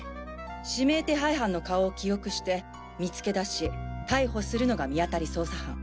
指名手配犯の顔を記憶して見つけ出し逮捕するのが見当たり捜査班。